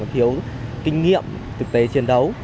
thiếu kinh nghiệm thực tế chiến đấu